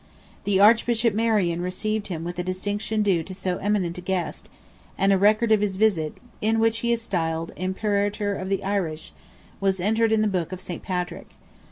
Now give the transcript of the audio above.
The Archbishop Marian received him with the distinction due to so eminent a guest, and a record of his visit, in which he is styled "Imperator of the Irish," was entered in the book of St. Patrick.